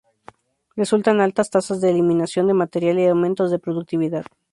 Resultan altas tasas de eliminación de material y aumentos de productividad.